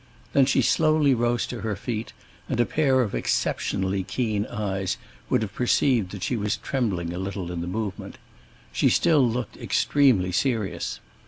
Then she slowly rose to her feet, and a pair of exceptionally keen eyes would have perceived that she was trembling a little in the movement. She still looked extremely serious.